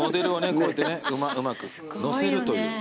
こうやってねうまく乗せるという。